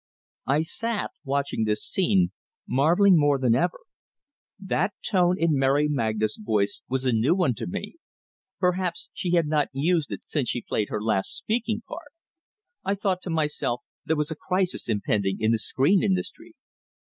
I sat watching this scene, marvelling more than ever. That tone in Mary Magna's voice was a new one to me; perhaps she had not used it since she played her last "speaking part!" I thought to myself, there was a crisis impending in the screen industry.